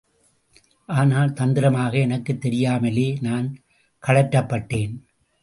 ஆனால், தந்திரமாக எனக்குத் தெரியாமலே நான் சுழற்றப்பட்டேன்.